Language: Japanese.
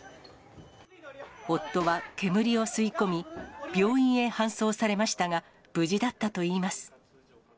夫は煙を吸い込み、病院へ搬送されましたが、無事だったといいます。